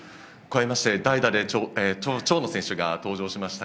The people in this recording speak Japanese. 代打で長野選手が登場しました。